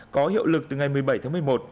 có hiệu lực từ ngày một mươi bảy tháng một mươi một